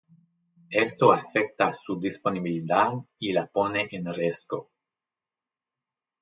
Esto afecta su disponibilidad y la pone en riesgo.